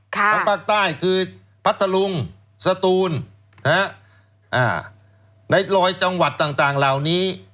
ทางภาคใต้คือพัทธลุงสตูนในรอยจังหวัดต่างเหล่านี้